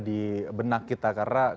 di benak kita karena